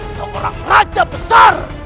seorang raja besar